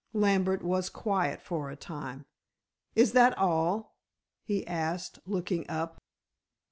Lambert was quiet for a time. "Is that all?" he asked, looking up.